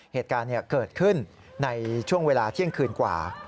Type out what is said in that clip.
เหตุการณ์เกิดขึ้นในช่วงเวลาเที่ยงคืนกว่า